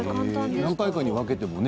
何回かに分けても全然ね。